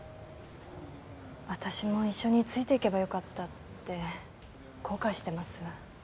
私も一緒についていけばよかったって後悔してます。